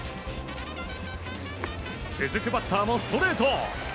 続くバッターもストレート。